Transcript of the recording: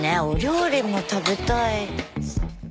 お料理も食べたい。